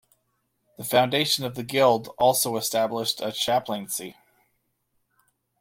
The foundation of the guild also established a chaplaincy.